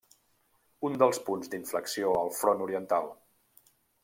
Un dels punts d'inflexió al Front Oriental.